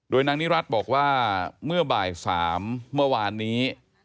นางนิรัติบอกว่าเมื่อบ่าย๓เมื่อวานนี้